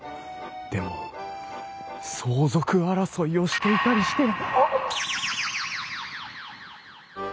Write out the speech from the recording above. でも相続争いをしていたりして！